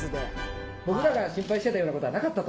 僕らが心配していたようなことはなかったと？